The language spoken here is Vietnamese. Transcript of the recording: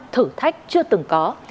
thử thách chưa từng có